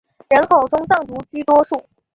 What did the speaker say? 人口中藏族居多数。